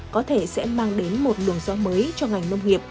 có thể sẽ mang đến một lường do mới cho ngành nông nghiệp